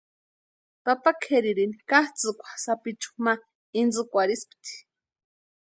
Papa kʼeririni katsʼïkwa sapichu ma intsïkwarhispti.